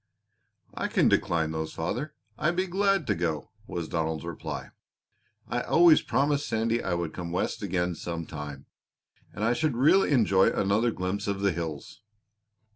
"I can decline those, father. I'd be glad to go!" was Donald's reply. "I always promised Sandy I would come West again some time, and I should really enjoy another glimpse of the hills."